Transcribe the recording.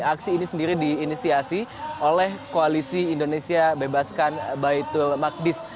aksi ini sendiri diinisiasi oleh koalisi indonesia bebaskan baitul maqdis